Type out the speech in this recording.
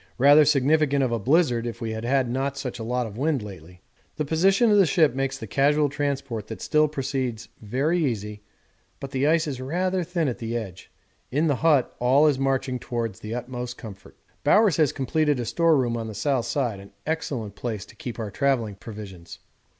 Rather significant of a blizzard if we had not had such a lot of wind lately. The position of the ship makes the casual transport that still proceeds very easy, but the ice is rather thin at the edge. In the hut all is marching towards the utmost comfort. Bowers has completed a storeroom on the south side, an excellent place to keep our travelling provisions.